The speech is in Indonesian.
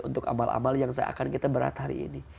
untuk amal amal yang seakan kita berat hari ini